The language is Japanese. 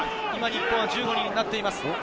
日本は今１４人になっています。